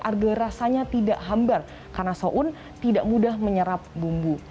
agar rasanya tidak hambar karena so'un tidak mudah menyerap bumbu